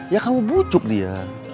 ya kamu bucuk dia